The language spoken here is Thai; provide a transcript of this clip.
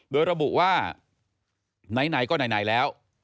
โดยระบุว่าไหนก็ไหนแล้ว